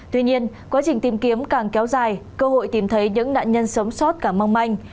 tuy nhiên quá trình tìm kiếm càng kéo dài cơ hội tìm thấy những nạn nhân sống sót càng mong manh